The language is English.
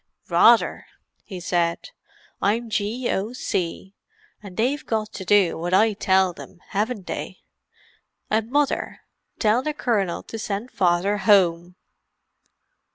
"Rather!" he said. "I'm G.O.C., and they've got to do what I tell them, haven't they? And Mother—tell the Colonel to send Father home."